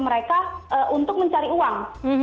mereka untuk mencari uang